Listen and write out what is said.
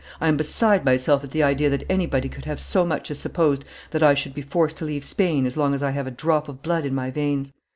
I am beside myself at the idea that anybody could have so much as supposed that I should be forced to leave Spain as long as I have a drop of blood in my veins.